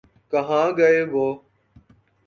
کہاں گئے وہ؟